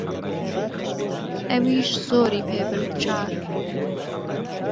ئهویش زۆری پێ برد چار